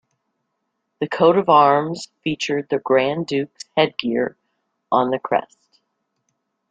The coat of arms featured the Grand Duke's headgear on the crest.